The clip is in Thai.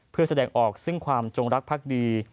เพื่อแสดงออกซึ่งความจงรักภักดี